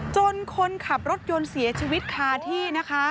จนคนขับรถยนต์เสียชีวิตค่ะที่